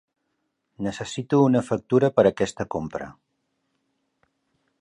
Necessito una factura per aquesta compra.